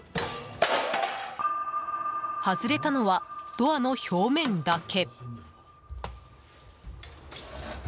外れたのは、ドアの表面だけ。